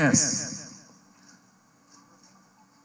yang dikendari oleh tersangka ps